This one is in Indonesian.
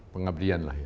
pengabdian lah ya